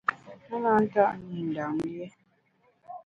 A na nta’ mi Ndam lié.